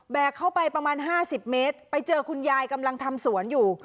เข้าไปประมาณ๕๐เมตรไปเจอคุณยายกำลังทำสวนอยู่